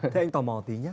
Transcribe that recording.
thế anh tò mò tí nhé